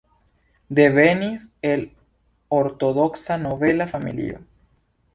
Devenis el ortodoksa nobela familio.